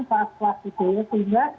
fasilitas itu ya sehingga